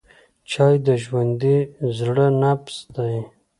چای د ژوندي زړه نبض دی.